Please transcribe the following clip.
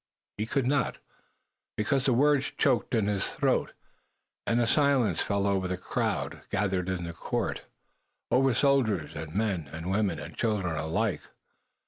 He could not, because the words choked in his throat, and a silence fell over the crowd gathered in the court, over soldiers and men and women and children alike.